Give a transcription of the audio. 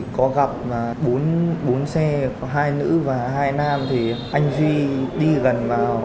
có gặp bốn xe hai nữ và hai nam anh duy đi gần vào